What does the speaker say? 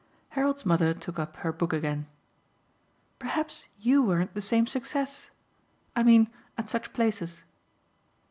Harold's mother took up her book again. "Perhaps you weren't the same success! I mean at such places."